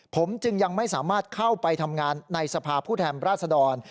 ผมจึงยังไม่สามารถเข้าไปทำงานในสภาพผู้แทนราชดร